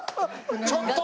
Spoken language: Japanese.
「ちょっと！」